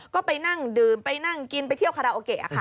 ก็ไปนั่งดื่มไปนั่งกินไปเที่ยวคาโรแก